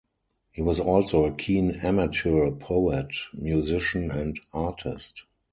He was also a keen amateur poet, musician and artist.